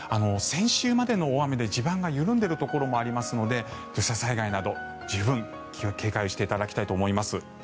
先週までの大雨で地盤が緩んでいるところがありますので土砂災害など十分警戒していただきたいと思います。